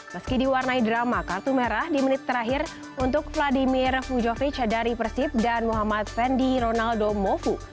meski diwarnai drama kartu merah di menit terakhir untuk vladimir fujovic dari persib dan muhammad fendi ronaldo mofu